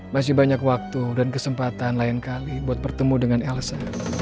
masih banyak waktu dan kesempatan lain kali buat bertemu dengan elsa